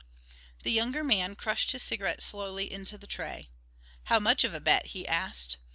The younger man crushed his cigarette slowly into the tray. "How much of a bet?" he asked.